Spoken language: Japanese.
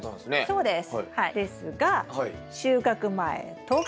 そうです。